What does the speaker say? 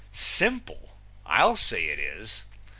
Simple? I'll say it is!